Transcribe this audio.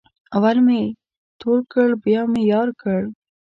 اول مې تول کړ بیا مې یار کړ.